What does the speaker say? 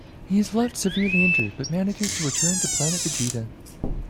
He is left severely injured, but manages to return to Planet Vegeta.